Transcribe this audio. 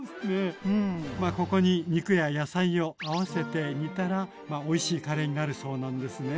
ここに肉や野菜を合わせて煮たらおいしいカレーになるそうなんですね。